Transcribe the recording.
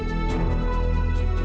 pak aku mau pergi